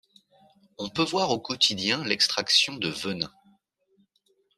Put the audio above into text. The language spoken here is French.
On peut voir au quotidien l'extraction de venin.